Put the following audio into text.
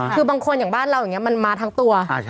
คือบางคนอย่างบ้านเราอย่างนี้มันมาทั้งตัว